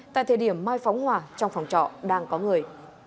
tại thời điểm mai phóng hỏa trong phòng trọ đang có người